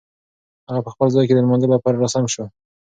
هغه په خپل ځای کې د لمانځه لپاره را سم شو.